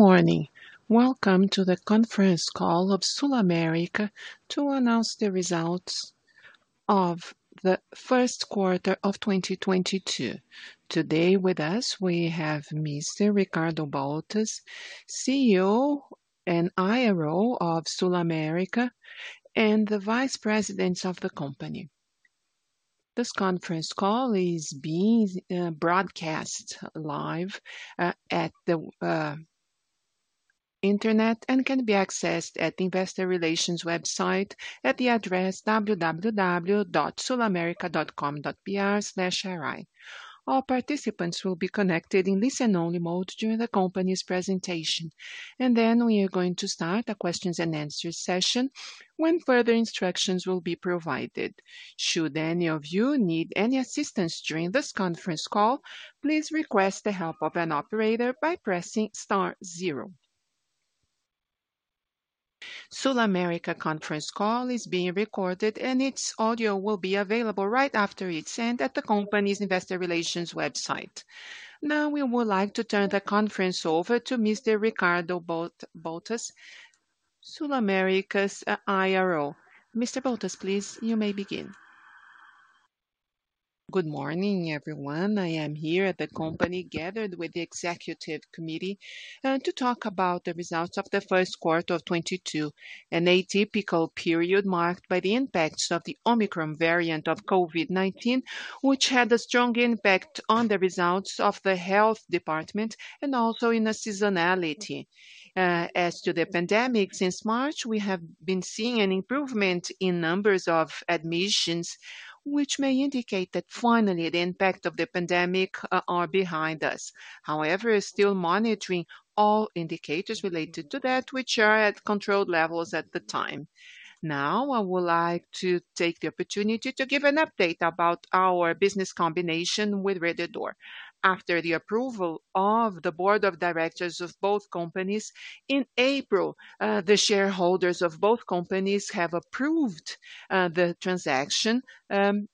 Good morning. Welcome to the conference call of SulAmérica to announce the results of the Q1 of 2022. Today with us, we have Mr. Ricardo Bottas, CEO and IRO of SulAmérica, and the vice presidents of the company. This conference call is being broadcast live at the internet and can be accessed at investor relations website at the address www.sulamerica.com.br/iri. All participants will be connected in listen-only mode during the company's presentation, and then we are going to start a question-and-answer session when further instructions will be provided. Should any of you need any assistance during this conference call, please request the help of an operator by pressing star zero. SulAmérica conference call is being recorded, and its audio will be available right after its end at the company's investor relations website. Now, we would like to turn the conference over to Mr. Ricardo Bottas, SulAmérica's IRO. Mr. Bottas, please, you may begin. Good morning, everyone. I am here at the company, gathered with the executive committee, to talk about the results of the Q1 of 2022, an atypical period marked by the impacts of the Omicron variant of COVID-19, which had a strong impact on the results of the health department and also in the seasonality. As to the pandemic, since March, we have been seeing an improvement in numbers of admissions, which may indicate that finally the impact of the pandemic is behind us. However, we're still monitoring all indicators related to that which are at controlled levels at the time. Now, I would like to take the opportunity to give an update about our business combination with Rede D'Or. After the approval of the board of directors of both companies, in April, the shareholders of both companies have approved the transaction, and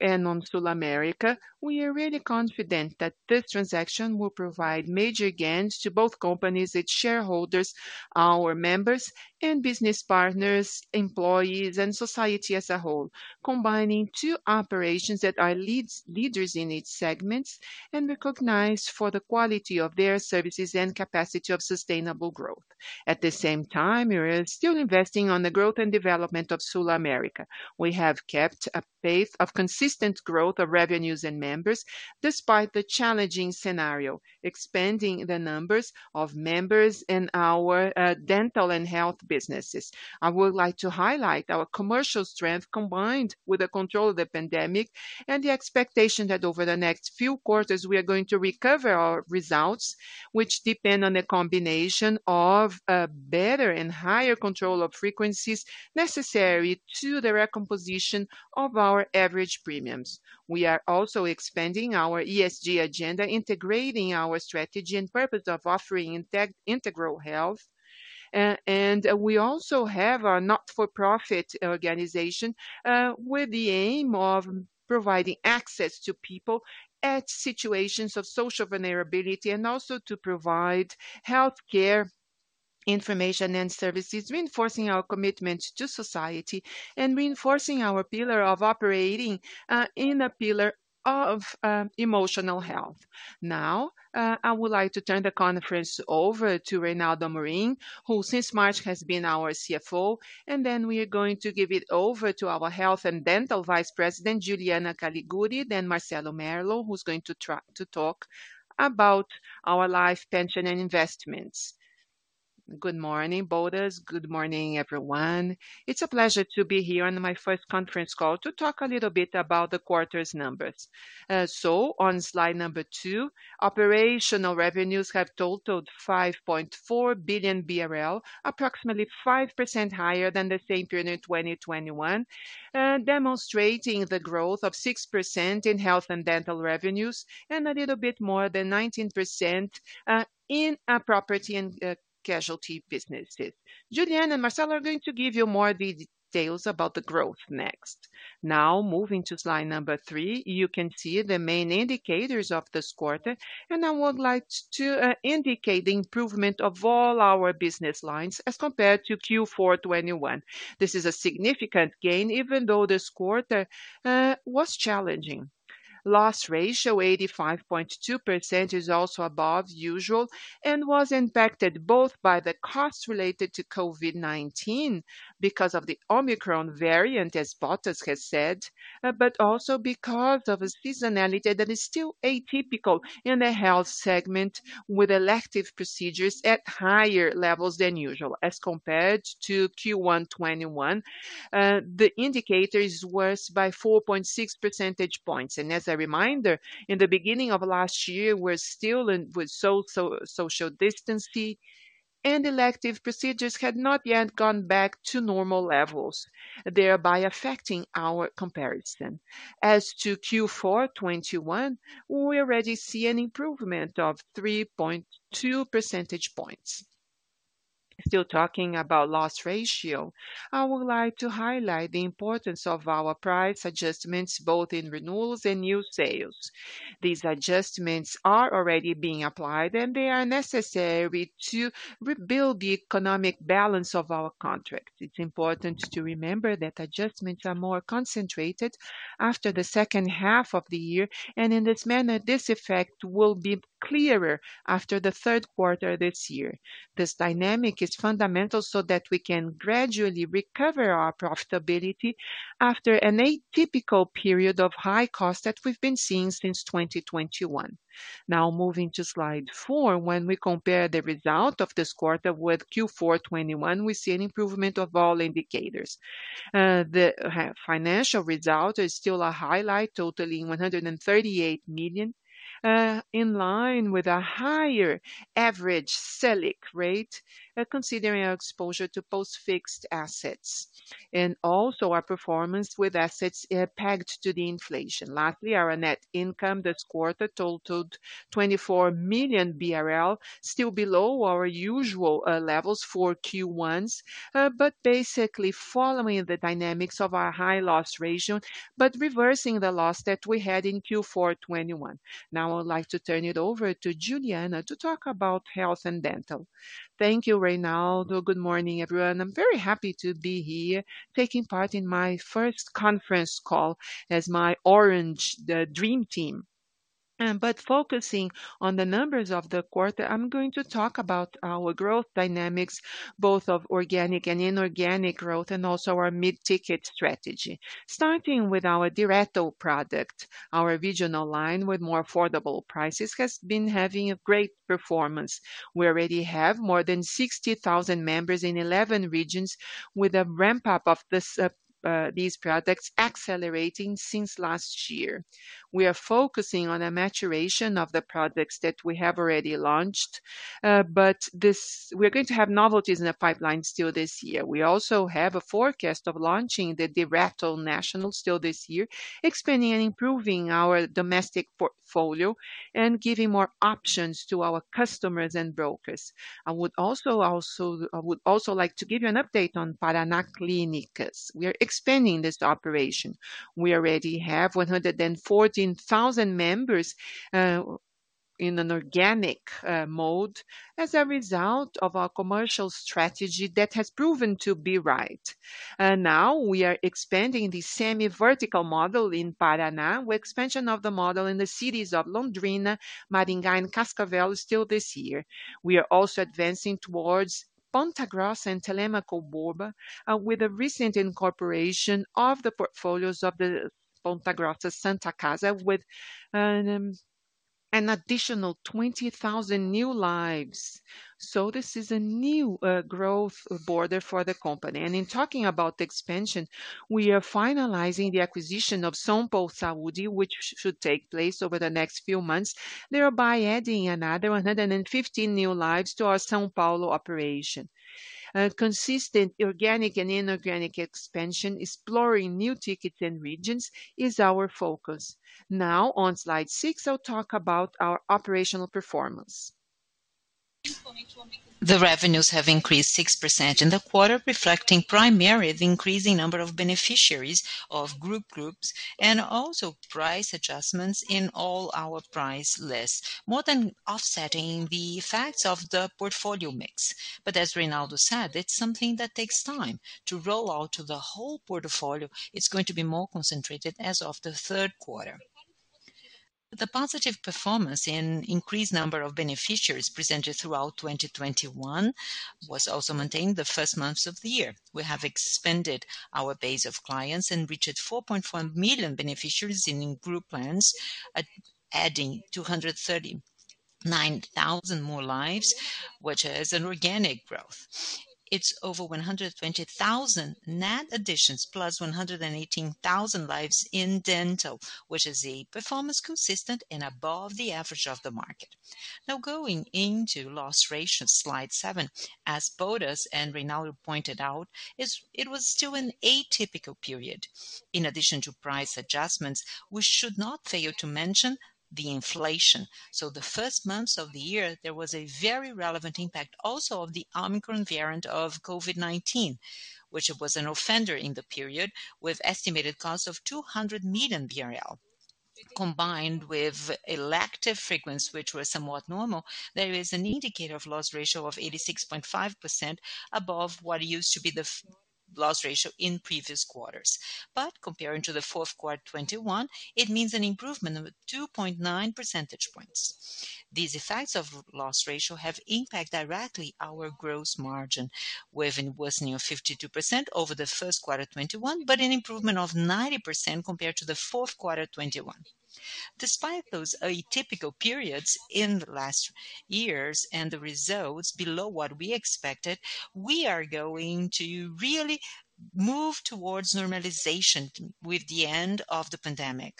on SulAmérica, we are really confident that this transaction will provide major gains to both companies, its shareholders, our members and business partners, employees, and society as a whole, combining two operations that are leaders in each segment and recognized for the quality of their services and capacity of sustainable growth. At the same time, we are still investing on the growth and development of SulAmérica. We have kept a pace of consistent growth of revenues and members despite the challenging scenario, expanding the numbers of members in our dental and health businesses. I would like to highlight our commercial strength combined with the control of the pandemic and the expectation that over the next few quarters we are going to recover our results, which depend on a combination of a better and higher control of frequencies necessary to the recomposition of our average premiums. We are also expanding our ESG agenda, integrating our strategy and purpose of offering integral health. We also have our not-for-profit organization with the aim of providing access to people in situations of social vulnerability and also to provide healthcare information and services, reinforcing our commitment to society, and reinforcing our pillar of emotional health. I would like to turn the conference over to Reinaldo Amorim, who since March has been our CFO, and then we are going to give it over to our health and dental vice president, Juliana Caligiuri, then Marcelo Mello, who's going to to talk about our life pension and investments. Good morning, Ricardo Bottas. Good morning, everyone. It's a pleasure to be here on my first conference call to talk a little bit about the quarter's numbers. On slide number two, operational revenues have totaled 5.4 billion BRL, approximately 5% higher than the same period in 2021, demonstrating the growth of 6% in health and dental revenues and a little bit more than 19%, in our property and casualty businesses. Juliana Caligiuri and Marcelo Mello are going to give you more details about the growth next. Now, moving to slide number three, you can see the main indicators of this quarter, and I would like to indicate the improvement of all our business lines as compared to Q4 2021. This is a significant gain even though this quarter was challenging. Loss ratio, 85.2% is also above usual and was impacted both by the costs related to COVID-19 because of the Omicron variant, as Bottas has said, but also because of a seasonality that is still atypical in the health segment with elective procedures at higher levels than usual. As compared to Q1 2021, the indicator is worse by 4.6 percentage points. In the beginning of last year, we're still in with social distancing, and elective procedures had not yet gone back to normal levels, thereby affecting our comparison. As to Q4 2021, we already see an improvement of 3.2 percentage points. Still talking about loss ratio, I would like to highlight the importance of our price adjustments, both in renewals and new sales. These adjustments are already being applied, and they are necessary to rebuild the economic balance of our contract. It's important to remember that adjustments are more concentrated after the H2 of the year, and in this manner, this effect will be clearer after the Q3 this year. This dynamic is fundamental so that we can gradually recover our profitability after an atypical period of high cost that we've been seeing since 2021. Now moving to slide four. When we compare the result of this quarter with Q4 2021, we see an improvement of all indicators. The financial result is still a highlight, totaling 138 million, in line with a higher average Selic rate, considering our exposure to post-fixed assets and also our performance with assets pegged to the inflation. Lastly, our net income this quarter totaled 24 million BRL, still below our usual levels for Q1s, but basically following the dynamics of our high loss ratio, but reversing the loss that we had in Q4 2021. Now, I would like to turn it over to Juliana to talk about health and dental. Thank you, Reinaldo. Good morning, everyone. I'm very happy to be here taking part in my first conference call as my Orange, the dream team. Focusing on the numbers of the quarter, I'm going to talk about our growth dynamics, both of organic and inorganic growth, and also our mid-ticket strategy. Starting with our Direto product, our regional line with more affordable prices has been having a great performance. We already have more than 60,000 members in 11 regions with a ramp-up of these products accelerating since last year. We are focusing on a maturation of the products that we have already launched. We're going to have novelties in the pipeline still this year. We also have a forecast of launching the Direto Nacional still this year, expanding and improving our domestic portfolio and giving more options to our customers and brokers. I would also like to give you an update on Paraná Clínicas. We are expanding this operation. We already have 114,000 members in an organic mode as a result of our commercial strategy that has proven to be right. Now we are expanding the semi-vertical model in Paraná with expansion of the model in the cities of Londrina, Maringá, and Cascavel still this year. We are also advancing towards Ponta Grossa and Telêmaco Borba with a recent incorporation of the portfolios of the Santa Casa de Misericórdia de Ponta Grossa with an additional 20,000 new lives. This is a new growth border for the company. In talking about expansion, we are finalizing the acquisition of São Paulo Saúde, which should take place over the next few months, thereby adding another 115 new lives to our São Paulo operation. Consistent organic and inorganic expansion, exploring new tickets and regions is our focus. Now on slide six, I'll talk about our operational performance. The revenues have increased 6% in the quarter, reflecting primarily the increasing number of beneficiaries of group groups and also price adjustments in all our price lists, more than offsetting the effects of the portfolio mix. As Reinaldo said, it's something that takes time. To roll out to the whole portfolio, it's going to be more concentrated as of the Q3. The positive performance in increased number of beneficiaries presented throughout 2021 was also maintained the first months of the year. We have expanded our base of clients and reached 4.4 million beneficiaries in group plans, adding 239,000 more lives, which is an organic growth. It's over 120,000 net additions plus 118,000 lives in dental, which is a performance consistent and above the average of the market. Now going into loss ratio, slide 7. As Bottas and Reinaldo pointed out, it was still an atypical period. In addition to price adjustments, we should not fail to mention the inflation. The first months of the year, there was a very relevant impact also of the Omicron variant of COVID-19, which was an offender in the period with estimated cost of 200 million BRL. Combined with elective frequency, which was somewhat normal, there is an indicator of loss ratio of 86.5% above what used to be the loss ratio in previous quarters. Comparing to the fourth quarter 2021, it means an improvement of 2.9 percentage points. These effects of loss ratio have impact directly our gross margin with a worsening of 52% over the Q1 2021, but an improvement of 90% compared to the fourth quarter 2021. Despite those atypical periods in the last years and the results below what we expected, we are going to really move towards normalization with the end of the pandemic.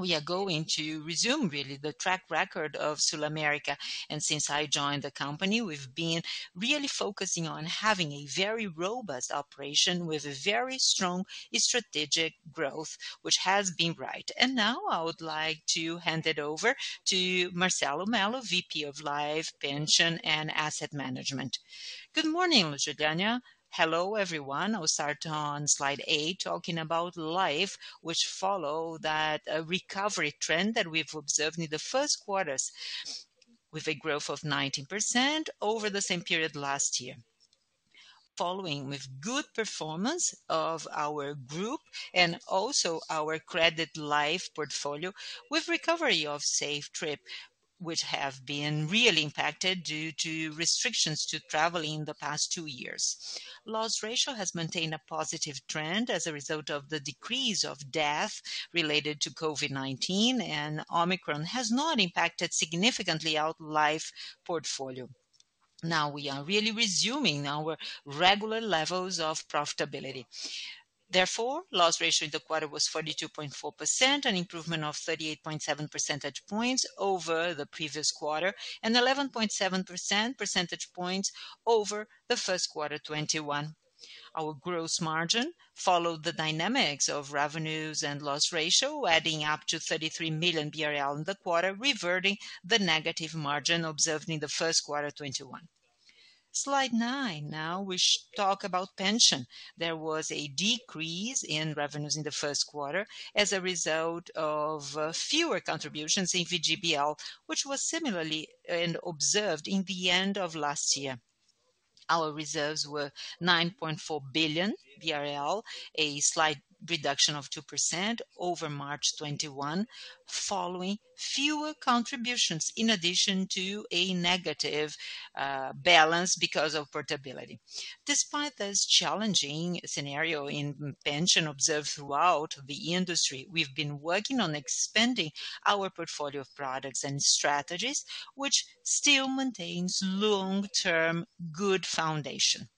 We are going to review really the track record of SulAmérica. Since I joined the company, we've been really focusing on having a very robust operation with a very strong strategic growth, which has been right. Now I would like to hand it over to Marcelo Mello, Vice President of Life, Pension and Investments. Good morning, Juliana. Hello, everyone. I'll start on slide eight, talking about life, which follows that recovery trend that we've observed in the Q1 with a growth of 90% over the same period last year. Following with good performance of our group life and also our credit life portfolio with recovery of Safe Trip, which has been really impacted due to restrictions to travel in the past two years. Loss ratio has maintained a positive trend as a result of the decrease of death related to COVID-19, and Omicron has not impacted significantly our life portfolio. Now we are really resuming our regular levels of profitability. Therefore, loss ratio in the quarter was 42.4%, an improvement of 38.7 percentage points over the previous quarter, and 11.7 percentage points over the Q1 2021. Our gross margin followed the dynamics of revenues and loss ratio, adding up to 33 million BRL in the quarter, reverting the negative margin observed in the Q1 2021. Slide nine. Now we talk about pension. There was a decrease in revenues in the Q1 as a result of fewer contributions in VGBL, which was similarly observed in the end of last year. Our reserves were 9.4 billion BRL, a slight reduction of 2% over March 2021, following fewer contributions in addition to a negative balance because of portability. Despite this challenging scenario in pension observed throughout the industry, we've been working on expanding our portfolio of products and strategies, which still maintains long-term good foundation.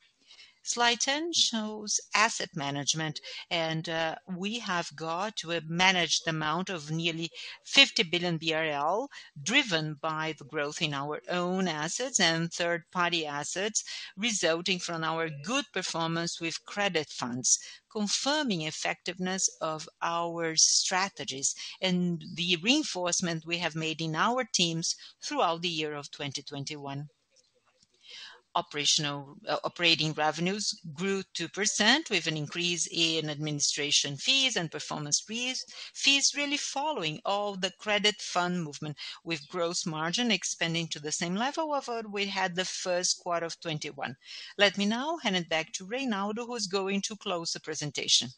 Slide 10 shows asset management, and we have a total managed amount of nearly 50 billion BRL, driven by the growth in our own assets and third-party assets, resulting from our good performance with credit funds, confirming effectiveness of our strategies and the reinforcement we have made in our teams throughout the year of 2021. Operating revenues grew 2% with an increase in administration fees and performance fees. Fees really following all the credit fund movement with gross margin expanding to the same level of what we had the Q1 of 2021. Let me now hand it back to Reinaldo, who's going to close the presentation.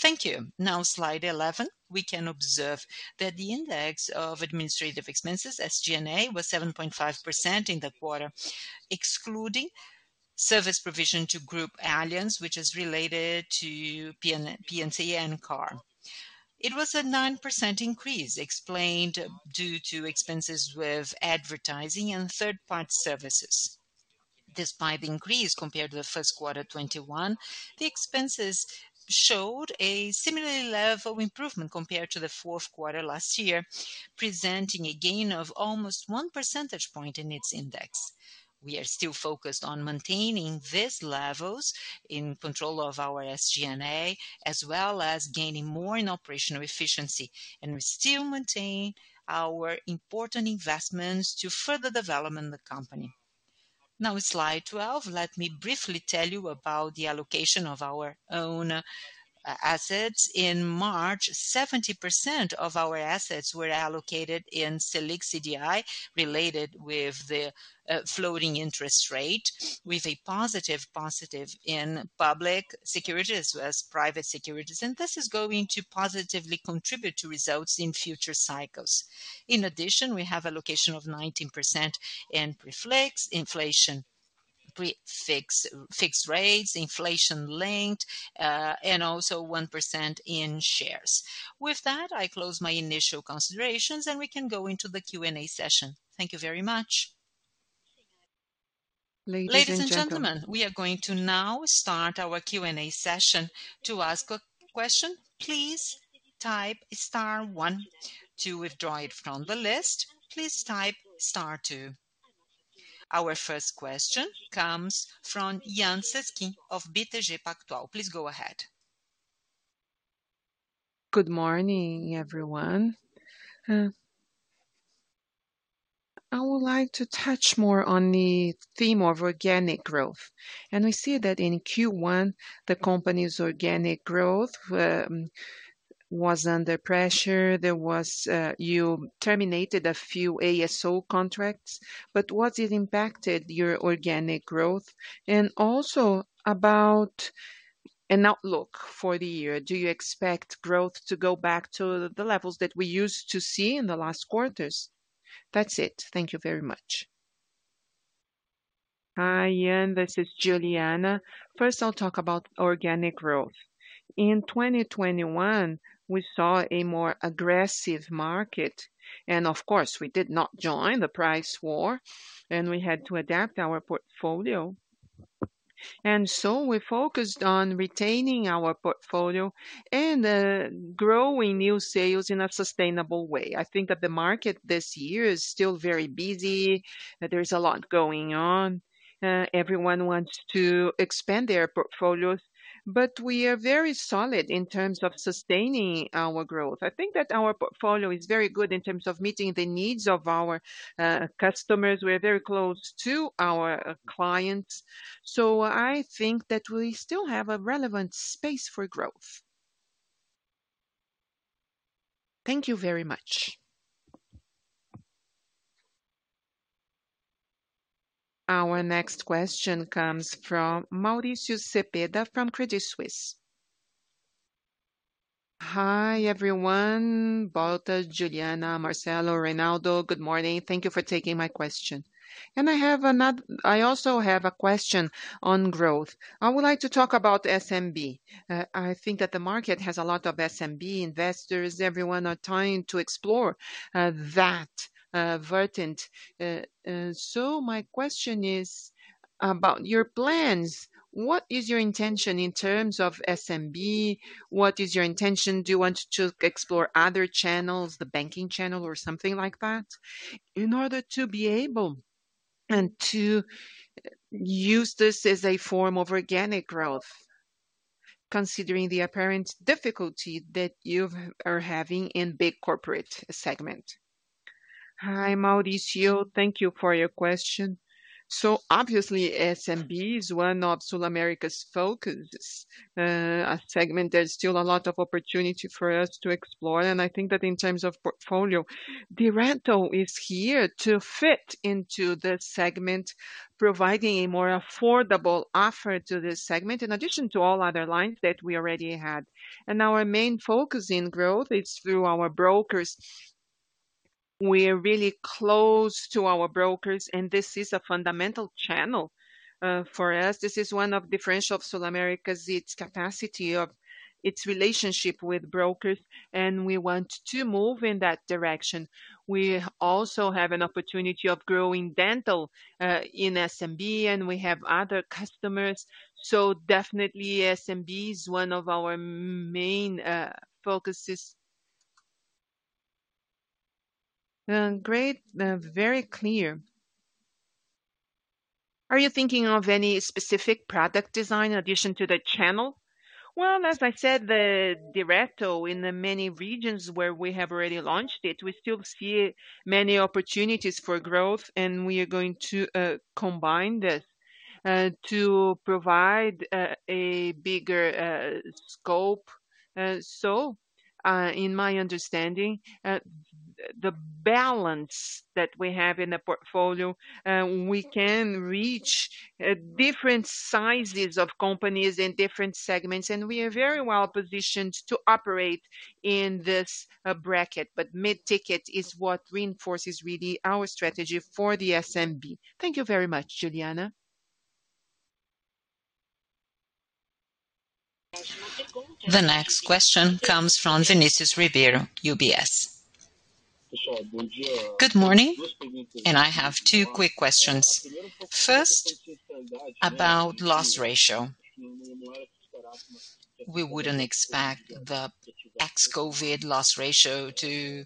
Thank you. Now slide 11, we can observe that the index of administrative expenses, SG&A, was 7.5% in the quarter, excluding service provision to Grupo Allianz, which is related to P&C and CAR. It was a 9% increase explained due to expenses with advertising and third-party services. Despite the increase compared to the Q1 2021, the expenses showed a similar level improvement compared to the fourth quarter last year, presenting a gain of almost one percentage point in its index. We are still focused on maintaining these levels in control of our SG&A, as well as gaining more in operational efficiency. We still maintain our important investments to further develop the company. Now slide 12, let me briefly tell you about the allocation of our own assets. In March, 70% of our assets were allocated in Selic CDI related with the floating interest rate, with a positive in public securities and private securities. This is going to positively contribute to results in future cycles. In addition, we have allocation of 19% in prefix, inflation prefix, fixed rates, inflation-linked, and also 1% in shares. With that, I close my initial considerations, and we can go into the Q&A session. Thank you very much. Ladies and gentlemen. Ladies and gentlemen, we are going to now start our Q&A session. To ask a question, please type star one. To withdraw it from the list, please type star two. Our first question comes from Jean Seski of BTG Pactual. Please go ahead. Good morning, everyone. I would like to touch more on the theme of organic growth. We see that in Q1, the company's organic growth was under pressure. You terminated a few ASO contracts, but what it impacted your organic growth? Also about an outlook for the year, do you expect growth to go back to the levels that we used to see in the last quarters? That's it. Thank you very much. Hi, Jan, this is Juliana. First, I'll talk about organic growth. In 2021, we saw a more aggressive market, and of course, we did not join the price war, and we had to adapt our portfolio. We focused on retaining our portfolio and growing new sales in a sustainable way. I think that the market this year is still very busy. There's a lot going on. Everyone wants to expand their portfolios, but we are very solid in terms of sustaining our growth. I think that our portfolio is very good in terms of meeting the needs of our customers. We are very close to our clients. I think that we still have a relevant space for growth. Thank you very much. Our next question comes from Mauricio Cepeda from Credit Suisse. Hi, everyone. Bottas, Juliana, Marcelo, Reinaldo. Good morning. Thank you for taking my question. I also have a question on growth. I would like to talk about SMB. I think that the market has a lot of SMB investors. Everyone is trying to explore that segment. My question is about your plans. What is your intention in terms of SMB? What is your intention? Do you want to explore other channels, the banking channel or something like that, in order to be able and to use this as a form of organic growth, considering the apparent difficulty that you are having in big corporate segment? Hi, Mauricio. Thank you for your question. Obviously, SMB is one of SulAmérica's focus segment. There's still a lot of opportunity for us to explore, and I think that in terms of portfolio, Direto is here to fit into the segment, providing a more affordable offer to this segment in addition to all other lines that we already had. Our main focus in growth is through our brokers. We are really close to our brokers and this is a fundamental channel for us. This is one of the differentiator of SulAmérica's, its capacity of its relationship with brokers, and we want to move in that direction. We also have an opportunity of growing dental in SMB and we have other customers. Definitely SMB is one of our main focuses. Great. Very clear. Are you thinking of any specific product design in addition to the channel? Well, as I said, the Direto in the many regions where we have already launched it, we still see many opportunities for growth and we are going to combine this to provide a bigger scope. In my understanding, the balance that we have in the portfolio, we can reach different sizes of companies in different segments, and we are very well positioned to operate in this bracket. Mid-ticket is what reinforces really our strategy for the SMB. Thank you very much, Juliana. The next question comes from Vinicius Ribeiro, UBS. Good morning. I have two quick questions. First, about loss ratio. We wouldn't expect the ex-COVID loss ratio to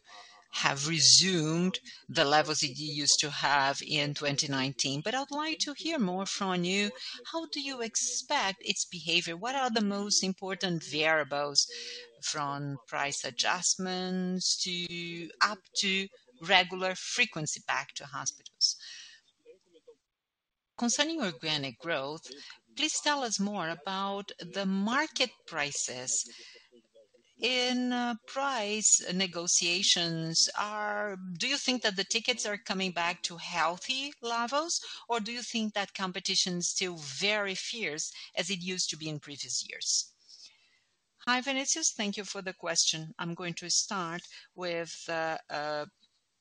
have resumed the levels that you used to have in 2019, but I'd like to hear more from you. How do you expect its behavior? What are the most important variables from price adjustments up to regular frequency back to hospitals? Concerning organic growth, please tell us more about the market prices. In price negotiations, do you think that the tickets are coming back to healthy levels, or do you think that competition is still very fierce as it used to be in previous years? Hi, Vinicius. Thank you for the question. I'm going to start with the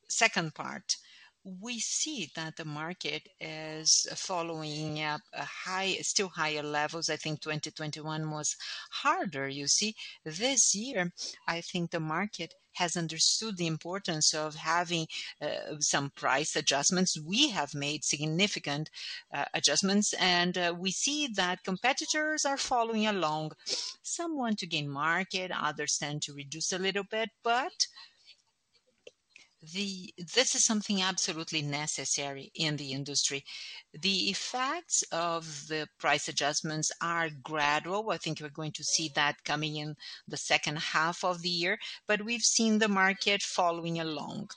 second part. We see that the market is following up at still higher levels. I think 2021 was harder. You see, this year I think the market has understood the importance of having some price adjustments. We have made significant adjustments, and we see that competitors are following along. Some want to gain market; others tend to reduce a little bit. This is something absolutely necessary in the industry. The effects of the price adjustments are gradual. I think we're going to see that coming in the H2 of the year, but we've seen the market following along.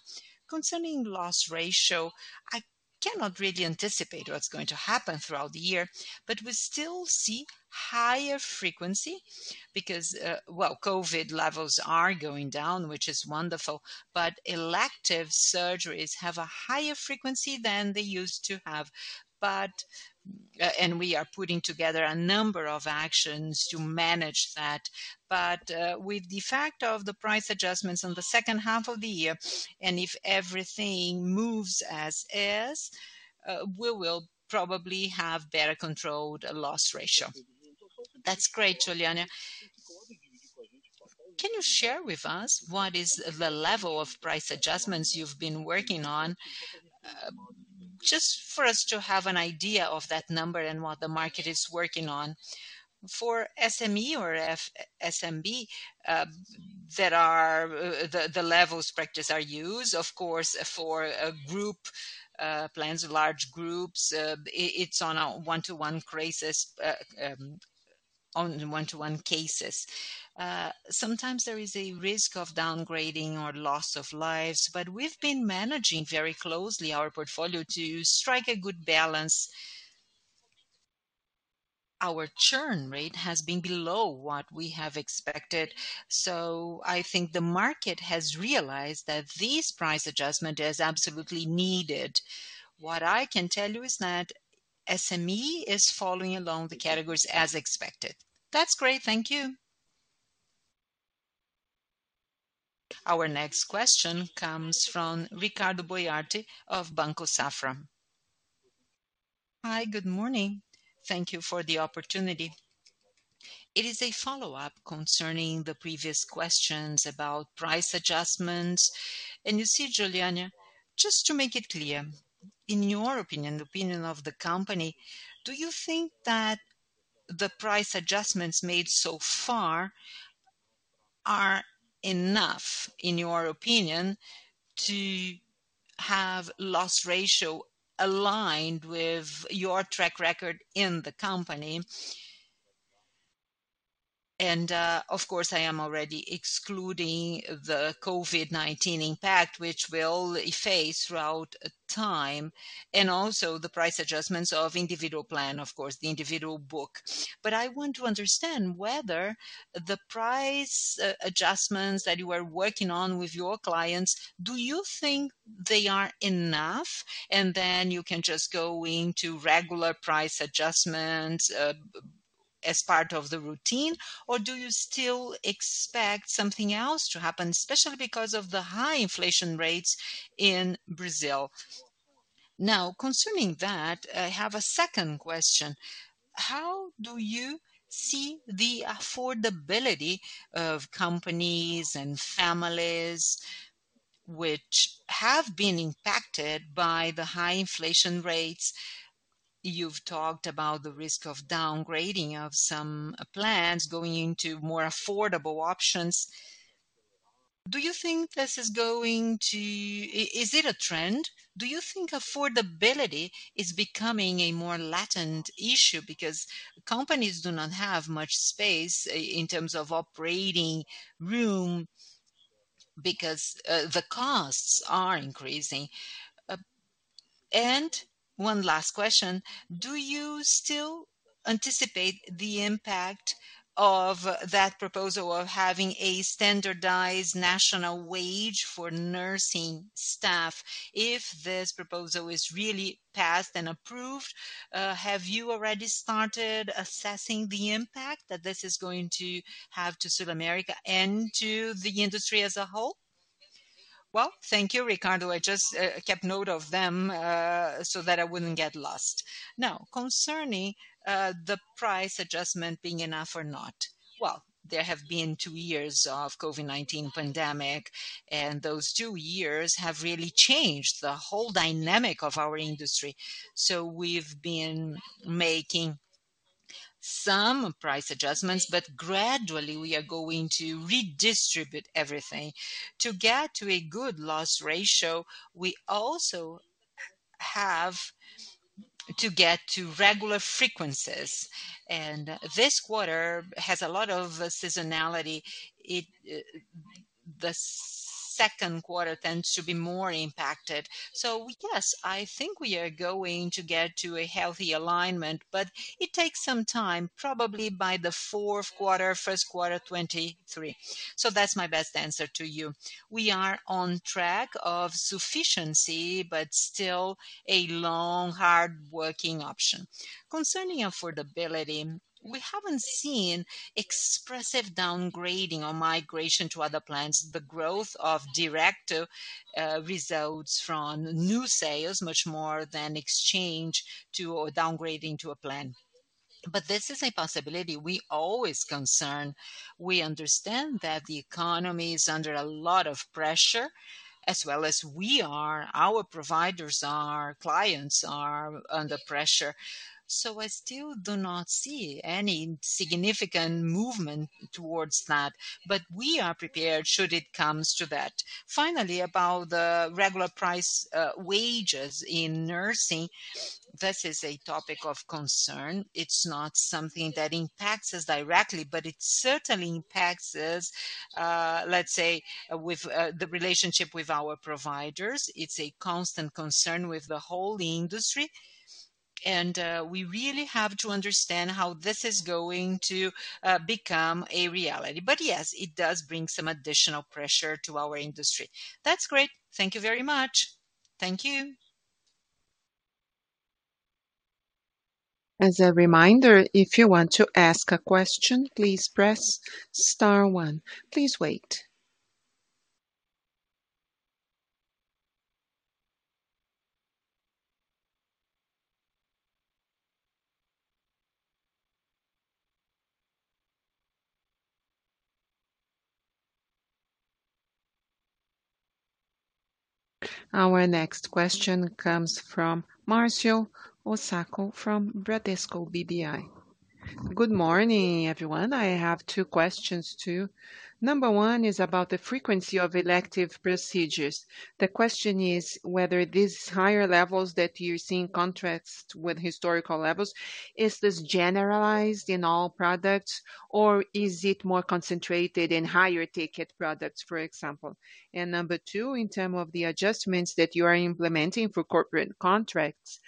Concerning loss ratio, I cannot really anticipate what's going to happen throughout the year, but we still see higher frequency because, well, COVID levels are going down, which is wonderful, but elective surgeries have a higher frequency than they used to have. We are putting together a number of actions to manage that. With the fact of the price adjustments on the H2 of the year, and if everything moves as is, we will probably have better controlled loss ratio. That's great, Juliana. Can you share with us what is the level of price adjustments you've been working on? Just for us to have an idea of that number and what the market is working on. For SME or for SMB, the levels practiced are used, of course, for group plans of large groups, it's on a one-to-one basis. Sometimes there is a risk of downgrading or loss of clients, but we've been managing very closely our portfolio to strike a good balance. Our churn rate has been below what we have expected, so I think the market has realized that this price adjustment is absolutely needed. What I can tell you is that SME is following along the categories as expected. That's great. Thank you. Our next question comes from Ricardo Boiati of Banco Safra. Hi, good morning. Thank you for the opportunity. It is a follow-up concerning the previous questions about price adjustments. You see, Juliana, just to make it clear, in your opinion, the opinion of the company, do you think that the price adjustments made so far are enough, in your opinion, to have loss ratio aligned with your track record in the company? Of course, I am already excluding the COVID-19 impact, which we'll face throughout time, and also the price adjustments of individual plan, of course, the individual book. I want to understand whether the price adjustments that you are working on with your clients, do you think they are enough, and then you can just go into regular price adjustments as part of the routine, or do you still expect something else to happen, especially because of the high inflation rates in Brazil? Now, concerning that, I have a second question. How do you see the affordability of companies and families which have been impacted by the high inflation rates? You've talked about the risk of downgrading of some plans going into more affordable options. Do you think this is a trend? Do you think affordability is becoming a more latent issue because companies do not have much space in terms of operating room because the costs are increasing? And one last question. Do you still anticipate the impact of that proposal of having a standardized national wage for nursing staff if this proposal is really passed and approved? Have you already started assessing the impact that this is going to have on SulAmérica and to the industry as a whole? Well, thank you, Ricardo. I just took note of them so that I wouldn't get lost. Now, concerning the price adjustment being enough or not. Well, there have been two years of COVID-19 pandemic, and those two years have really changed the whole dynamic of our industry. We've been making some price adjustments, but gradually we are going to redistribute everything. To get to a good loss ratio, we also have to get to regular frequencies, and this quarter has a lot of seasonality. The Q2 tends to be more impacted. Yes, I think we are going to get to a healthy alignment, but it takes some time, probably by the fourth quarter, Q1 2023. That's my best answer to you. We are on track for sufficiency, but still a long, hard-working option. Concerning affordability, we haven't seen excessive downgrading or migration to other plans. The growth of Direto results from new sales much more than exchange to or downgrading to a plan. This is a possibility we always concern. We understand that the economy is under a lot of pressure, as well as we are, our providers are, clients are under pressure. I still do not see any significant movement towards that, but we are prepared should it comes to that. Finally, about the regulatory wages in nursing, this is a topic of concern. It's not something that impacts us directly, but it certainly impacts us, let's say, with the relationship with our providers. It's a constant concern with the whole industry, and we really have to understand how this is going to become a reality. Yes, it does bring some additional pressure to our industry. That's great. Thank you very much. Thank you. As a reminder, if you want to ask a question, please press star one. Please wait. Our next question comes from Marcio Osako from Bradesco BBI. Good morning, everyone. I have two questions too. Number one is about the frequency of elective procedures. The question is whether these higher levels that you're seeing contrast with historical levels, is this generalized in all products or is it more concentrated in higher ticket products, for example? Number two, in terms of the adjustments that you are implementing for corporate contracts,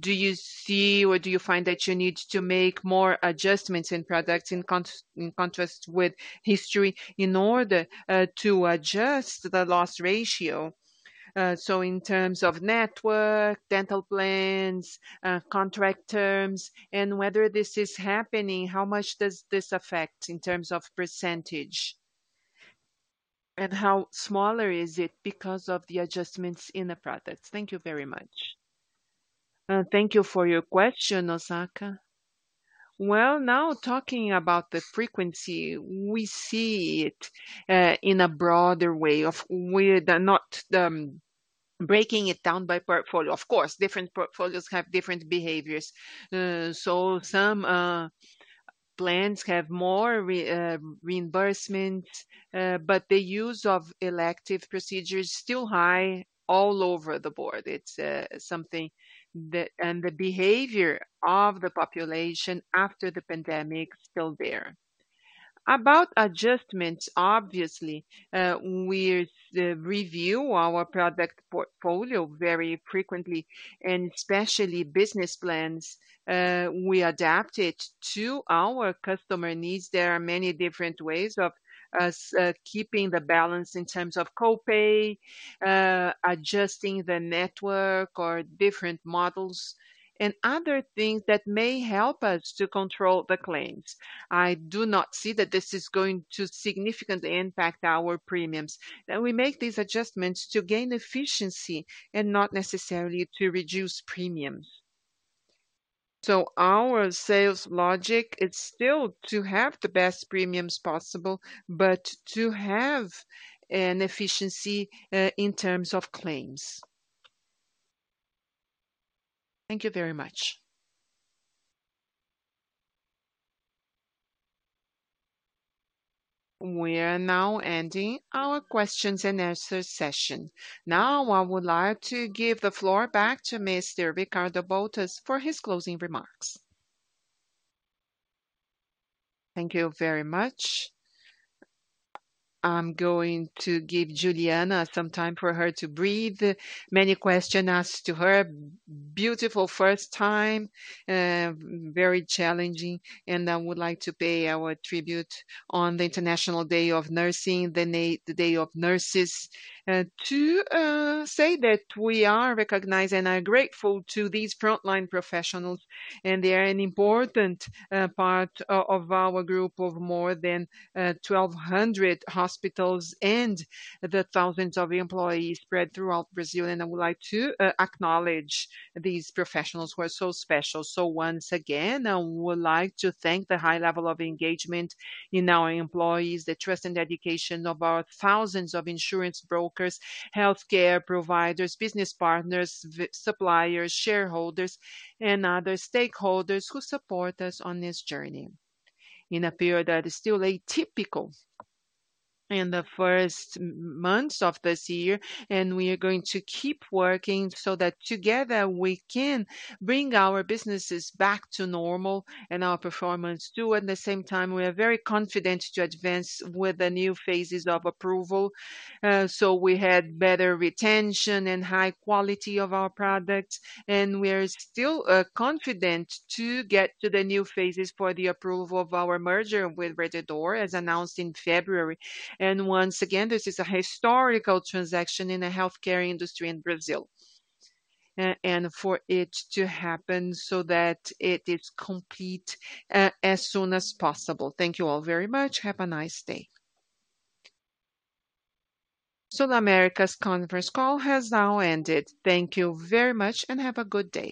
do you see or do you find that you need to make more adjustments in products in contrast with history in order to adjust the loss ratio? So, in terms of network, dental plans, contract terms, and whether this is happening, how much does this affect in terms of percentage? And how smaller is it because of the adjustments in the products? Thank you very much. Thank you for your question, Osako. Well, now talking about the frequency, we see it in a broader way of we're not breaking it down by portfolio. Of course, different portfolios have different behaviors. So some plans have more reimbursement, but the use of elective procedures still high all over the board. It's something that. The behavior of the population after the pandemic is still there. About adjustments, obviously, we review our product portfolio very frequently, and especially business plans, we adapt it to our customer needs. There are many different ways of us keeping the balance in terms of copay, adjusting the network or different models and other things that may help us to control the claims. I do not see that this is going to significantly impact our premiums. We make these adjustments to gain efficiency and not necessarily to reduce premiums. Our sales logic, it's still to have the best premiums possible, but to have an efficiency in terms of claims. Thank you very much. We are now ending our question-and-answer session. Now, I would like to give the floor back to Mr. Ricardo Bottas for his closing remarks. Thank you very much. I'm going to give Juliana some time for her to breathe. Many questions asked to her. Beautiful first time, very challenging, and I would like to pay our tribute on the International Day of Nursing, the Day of Nurses, to say that we are recognized and are grateful to these frontline professionals, and they are an important part of our group of more than 1,200 hospitals and the thousands of employees spread throughout Brazil. I would like to acknowledge these professionals who are so special. Once again, I would like to thank the high level of engagement in our employees, the trust and dedication of our thousands of insurance brokers, healthcare providers, business partners, suppliers, shareholders, and other stakeholders who support us on this journey in a period that is still atypical in the first months of this year. We are going to keep working so that together we can bring our businesses back to normal and our performance too. At the same time, we are very confident to advance with the new phases of approval. We had better retention and high quality of our products, and we're still confident to get to the new phases for the approval of our merger with Rede D'Or as announced in February. Once again, this is a historical transaction in the healthcare industry in Brazil. For it to happen so that it is complete as soon as possible. Thank you all very much. Have a nice day. SulAmérica's conference call has now ended. Thank you very much and have a good day.